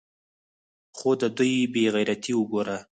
خو د دوى بې غيرتي اوګوره.